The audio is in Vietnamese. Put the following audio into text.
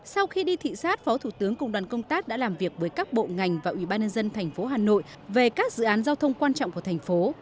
sau khi đi thị xát phó thủ tướng cùng đoàn công tác đã làm việc với các bộ ngành và ủy ban nhân dân thành phố hà nội về các dự án giao thông quan trọng của thành phố